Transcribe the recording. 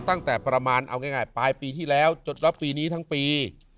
ตั้งแต่ประมาณเอาง่ายปลายปีที่แล้วจนรับปีนี้ทั้งปี